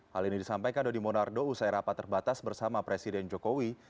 hal ini disampaikan dodi monardo usai rapat terbatas bersama presiden jokowi